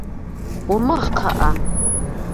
Умыгъ, кхъыӏэ.